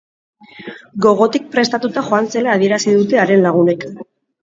Gogotik prestatuta joan zela adierazi dute haren lagunek.